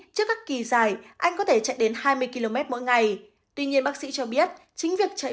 trước các kỳ dài anh có thể chạy đến hai mươi km mỗi ngày tuy nhiên bác sĩ cho biết chính việc chạy